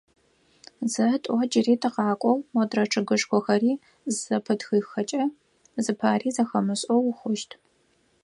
Зэ, тӏо джыри тыкъакӏоу, модрэ чъыгышхохэри зызэпытхыхэкӏэ, зыпари зэхэмышӏэу ухъущт.